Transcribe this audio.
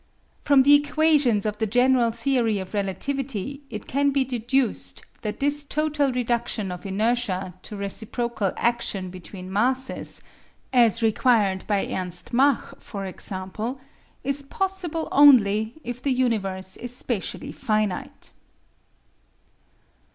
From the equations of the general theory of relativity it can be deduced that this total reduction of inertia to reciprocal action between masses as required by E. Mach, for example is possible only if the universe is spatially finite.